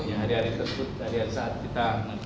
pada hari hari tersebut hari hari saat kita